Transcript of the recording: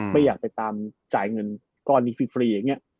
ไม่อยากไปตามจ่ายเงินก้อนนี้ฟรีอย่างนี้